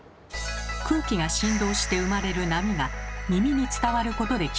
空気が振動して生まれる「波」が耳に伝わることで聞こえています。